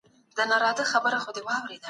خپل اصالت وساتئ.